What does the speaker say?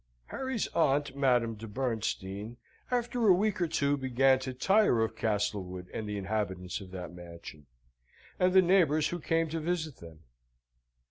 Harry's aunt, Madame de Bernstein, after a week or two, began to tire of Castlewood and the inhabitants of that mansion, and the neighbours who came to visit them.